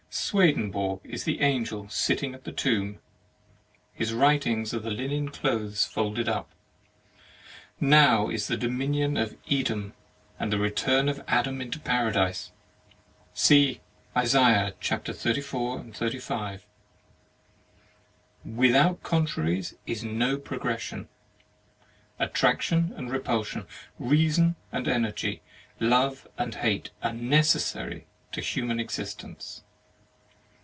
Swedenborg is the angel sitting at the tomb: his writings are the Unen clothes folded up. Now is the domin ion of Edom, and the return of Adam into Paradise. — See Isaiah xxxiv. and XXXV. chap. 6 HEAVEN AND HELL Without contraries is no progres sion. Attraction and repulsion, rea son and energy, love and hate, are necessary to human existence.